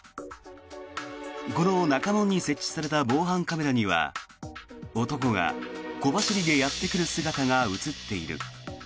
この中門に設置された防犯カメラには男が小走りでやってくる姿が映っている。